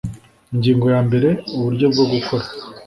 Ingingo ya mbere Uburyo bwo gukora